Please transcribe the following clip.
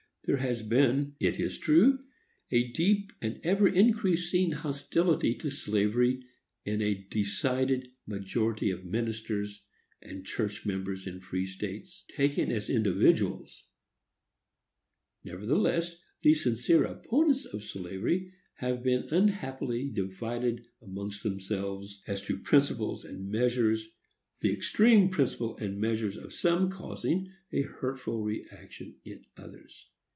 There has been, it is true, a deep, and ever increasing hostility to slavery in a decided majority of ministers and church members in free states, taken as individuals. Nevertheless, the sincere opponents of slavery have been unhappily divided among themselves as to principles and measures, the extreme principles and measures of some causing a hurtful reaction in others.